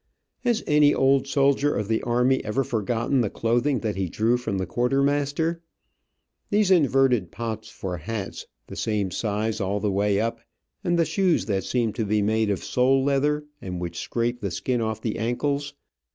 Has any old soldier of the army ever forgotten the clothing that he drew from the quartermaster? These inverted pots for hats, the same size all the way up, and the shoes that seemed to be made of sole leather, and which scraped the skin off the ankles.